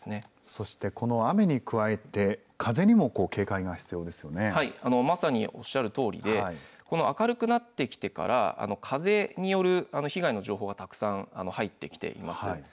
そしてこの雨に加えて、風にまさにおっしゃるとおりで、この明るくなってきてから風による被害の情報がたくさん入ってきています。